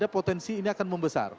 potensi ini akan membesar